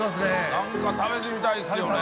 何か食べてみたいですよね。